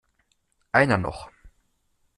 Einer noch!